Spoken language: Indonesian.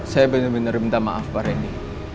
saya benar benar minta maaf pak reni